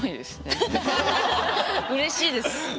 うれしいです。